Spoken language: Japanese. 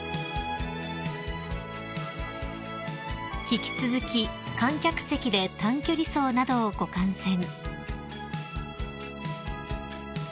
［引き続き観客席で短距離走などをご観戦］